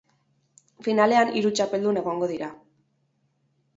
Finalean hiru txapeldun egongo dira.